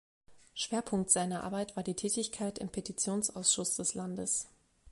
Schwerpunkt seiner Arbeit war die Tätigkeit im Petitionsausschuss des Landes.